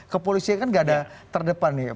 kepolisian kan gada terdepan nih